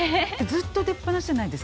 ずっと出っぱなしじゃないですか。